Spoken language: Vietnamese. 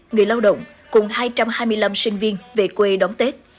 người lao động cùng hai trăm hai mươi năm sinh viên về quê đón tết